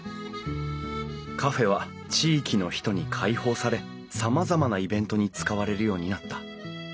カフェは地域の人に開放されさまざまなイベントに使われるようになった。